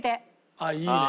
あっいいね！